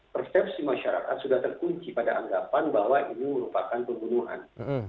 persepsi masyarakat sudah terkunci pada anggapan bahwa ini merupakan pembunuhan